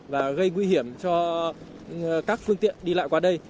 và gây nguy hiểm cho các phương tiện đi lại qua đây